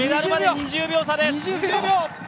２０秒差です！